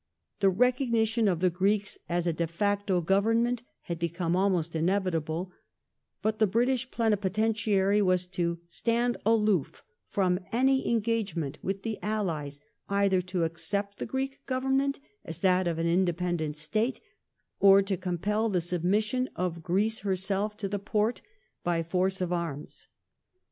•'^ The recognition of the Greeks as a de facto Government had become almost inevitable, but the British plenipotentiary was to " stand aloof" from any engagement with the allies either to accept the Greek Government as that of an independent State, or to compel the submission of Greece herself to the Poi*te by force of arms.